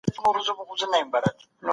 لوست او ورزش د ځوانانو پرمختګ تضمینوي.